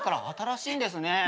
新しいんですね。